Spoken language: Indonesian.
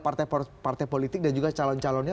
partai partai politik dan juga calon calonnya